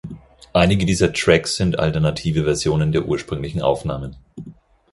Einige dieser Tracks sind alternative Versionen der ursprünglichen Aufnahmen.